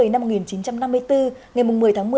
năm một nghìn chín trăm năm mươi bốn ngày một mươi tháng một mươi